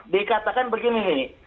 dikatakan begini nih